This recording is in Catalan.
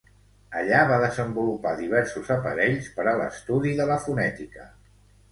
Allà va desenvolupar diversos aparells per a l'estudi de la fonètica.